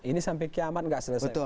ini sampai kiamat nggak selesai